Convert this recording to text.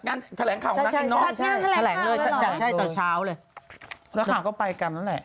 นักข่าวก็ไปกันแล้วแหละ